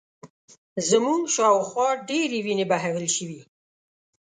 زموږ شا و خوا ډېرې وینې بهول شوې